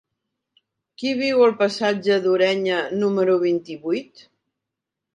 Qui viu al passatge d'Ureña número vint-i-vuit?